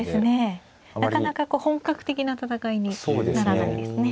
なかなか本格的な戦いにならないですね。